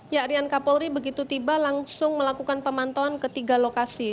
ya rian kapolri begitu tiba langsung melakukan pemantauan ketiga lokasi